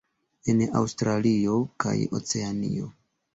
En Aŭstralio kaj Oceanio.